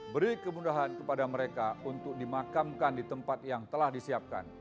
beri kemudahan kepada mereka untuk dimakamkan di tempat yang telah disiapkan